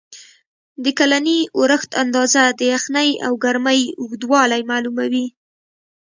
د کلني اورښت اندازه، د یخنۍ او ګرمۍ اوږدوالی معلوموي.